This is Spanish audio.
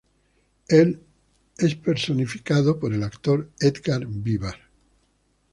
Él es personificado por el actor Édgar Vivar.